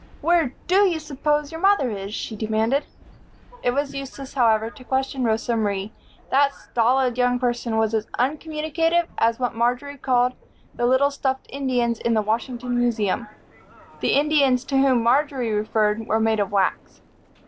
"Where do you s'pose your mother is?" she demanded. It was useless, however, to question Rosa Marie. That stolid young person was as uncommunicative as what Marjory called "the little stuffed Indians in the Washington Museum." The Indians to whom Marjory referred were made of wax.